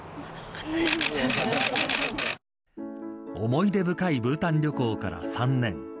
思い出深いブータン旅行から３年。